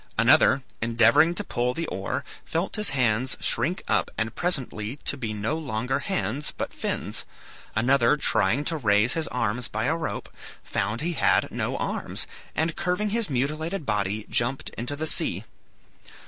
Another, endeavoring to pull the oar, felt his hands shrink up and presently to be no longer hands but fins; another, trying to raise his arms to a rope, found he had no arms, and curving his mutilated body, jumped into the sea.